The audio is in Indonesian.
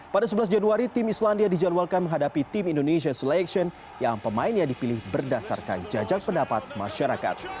pada sebelas januari tim islandia dijadwalkan menghadapi tim indonesia selection yang pemainnya dipilih berdasarkan jajak pendapat masyarakat